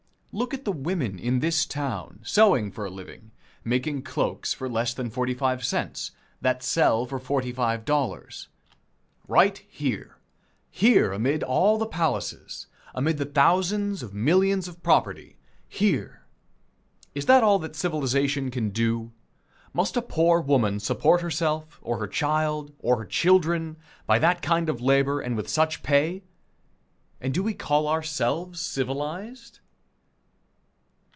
Look at the women in this town sewing for a living, making cloaks for less than forty five cents, that sell for $45! Right here here, amid all the palaces, amid the thousands of millions of property here! Is that all that civilization can do? Must a poor woman support herself, or her child, or her children, by that kind of labor, and with such pay and do we call ourselves civilized?